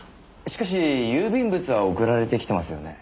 しかし郵便物は送られてきてますよね？